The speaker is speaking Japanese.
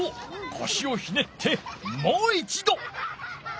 こしをひねってもう一ど！